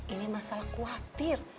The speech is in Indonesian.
ini masalah khawatir